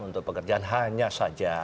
untuk pekerjaan hanya saja